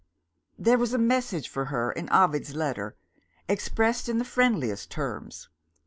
"There was a message for her in Ovid's letter expressed in the friendliest terms.